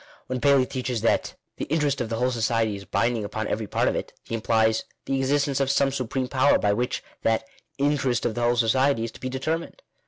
When Paley teaches that " the interest of the whole society is binding upon every part of it," he implies the existence of some supreme power by which that "interest of the whole society" is to be determined.